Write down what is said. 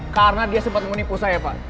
karena dia sempet nge nipu saya pak